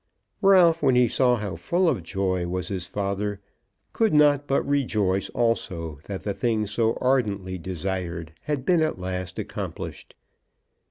Ralph when he saw how full of joy was his father, could not but rejoice also that the thing so ardently desired had been at last accomplished.